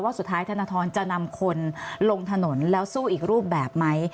สุดท้ายธนทรจะนำคนลงถนนแล้วสู้อีกรูปแบบไหม